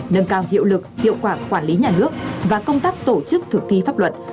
nâng cao hiệu lực hiệu quả quản lý nhà nước và công tác tổ chức thực thi pháp luật